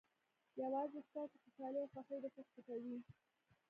یوازې ستاسو خوشالۍ او خوښۍ درڅخه پټوي.